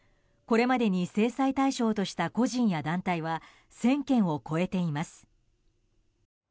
これまでに制裁対象とした個人や団体は１０００件を超えています。